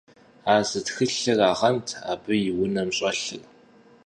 А зы тхылъырагъэнт абы и унэм щӀэлъыр.